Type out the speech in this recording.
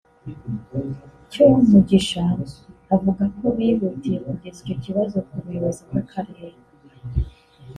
Cyomugisha avuga ko bihutiye kugeza icyo kibazo ku buyobozi bw’Akarere